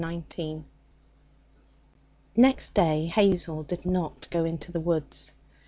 Chapter 19 Next day Hazel did not go into the woods.